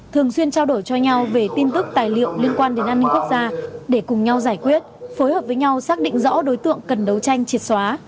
thường xuyên trao đổi cho nhau về tin tức tài liệu liên quan đến an ninh quốc gia để cùng nhau giải quyết phối hợp với nhau xác định rõ đối tượng cần đấu tranh triệt xóa